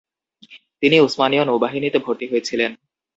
তিনি উসমানীয় নৌবাহিনীতে ভর্তি হয়েছিলেন।